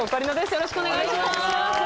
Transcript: よろしくお願いします。